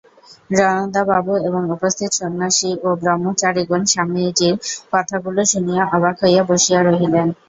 রণদাবাবু এবং উপস্থিত সন্ন্যাসী ও ব্রহ্মচারিগণ স্বামীজীর কথাগুলি শুনিয়া অবাক হইয়া বসিয়া রহিলেন।